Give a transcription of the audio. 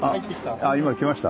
あ今来ました？